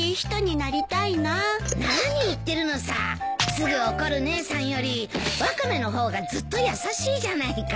すぐ怒る姉さんよりワカメの方がずっと優しいじゃないか。